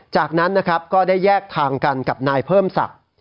จากนั้นนะครับก็ได้แยกทางกันกับนายเพิ่มศักดิ์